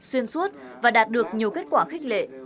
xuyên suốt và đạt được nhiều kết quả khích lệ